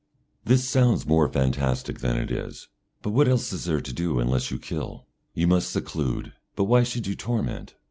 This sounds more fantastic than it is. But what else is there to do, unless you kill? You must seclude, but why should you torment?